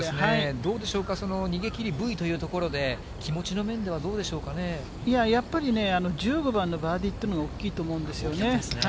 どうでしょうか、逃げきりＶということで、気持ち的にどうでやっぱりね、１５番のバーディーっていうのが大きいと思うんですよね。